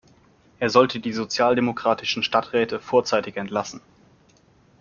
Er sollte die sozialdemokratischen Stadträte vorzeitig entlassen.